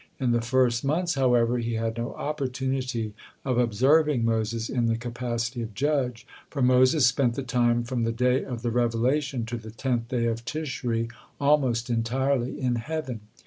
In the first months, however, he had no opportunity of observing Moses in the capacity of judge, for Moses spent the time from the day of the revelation to the tenth day of Tishri almost entirely in heaven.